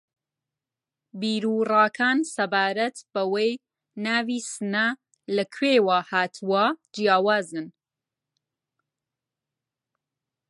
بیر و ڕاکان سەبارەت بەوەی ناوی سنە لە کوێوە ھاتووە جیاوازن